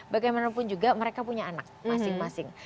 bagaimanapun juga mereka punya anak masing masing